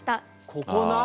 ここな！